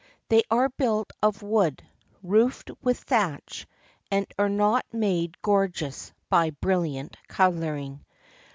They are built of wood, roofed with thatch, and are not made gorgeous by brilliant coloring.